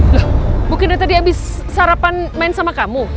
loh bukannya tadi habis sarapan main sama kamu